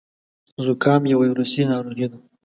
زکام يو وايرسي ناروغي ده.